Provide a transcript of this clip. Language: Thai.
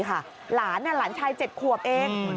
หลานล้านชาย๗ขวบเอง